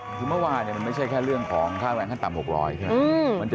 ถึงว่าว่าเนี่ยมันไม่ใช่แค่เรื่องของค่าแรงข้างต่ำ๖๐๐